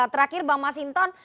terakhir bang mas hinton